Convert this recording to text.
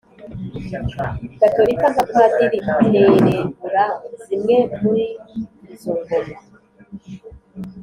gatolika nka padiri (terebura) zimwe muri izo ngoma